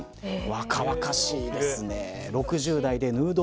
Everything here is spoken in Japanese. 若々しいですね。